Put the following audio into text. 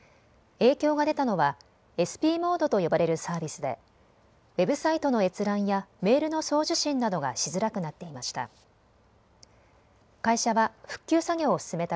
影響が出たのはｓｐモードと呼ばれるサービスでウェブサイトの閲覧やメールの送受信などがしづらくなっていました。